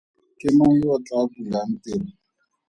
Ke mang yo o tlaa bulang tiro?